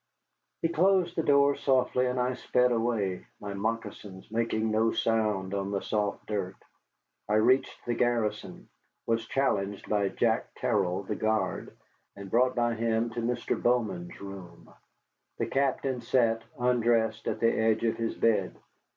He closed the door softly and I sped away, my moccasins making no sound on the soft dirt. I reached the garrison, was challenged by Jack Terrill, the guard, and brought by him to Bowman's room. The Captain sat, undressed, at the edge of his bed.